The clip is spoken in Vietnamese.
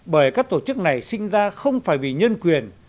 bởi các tổ chức này sinh ra không phải vì nhân quyền